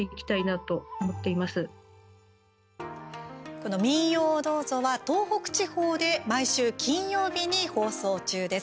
この「民謡をどうぞ」は東北地方で毎週金曜日に放送中です。